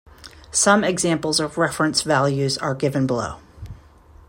Some examples of Reference Values are given below.